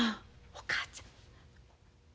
お母ちゃん。